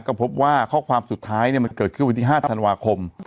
ก็พบว่าข้อความสุดท้ายมันเกิดขึ้นวันที่๕ธันวาคม